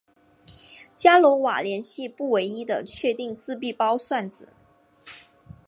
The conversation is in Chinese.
伽罗瓦连接不唯一的确定自闭包算子。